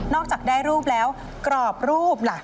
จากได้รูปแล้วกรอบรูปล่ะ